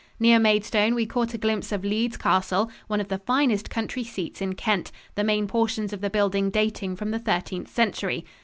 Near Maidstone we caught a glimpse of Leeds Castle, one of the finest country seats in Kent, the main portions of the building dating from the Thirteenth Century.